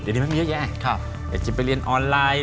เดี๋ยวนี้มันมีเยอะแยะอยากจะไปเรียนออนไลน์